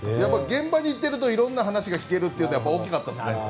現場に行っているといろいろな話を聞けるというのが大きかったですね。